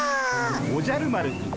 おじゃる丸くん